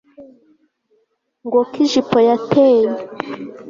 ngo ko ijipo yateye